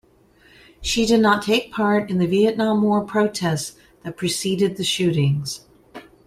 She did not take part in the Vietnam War protests that preceded the shootings.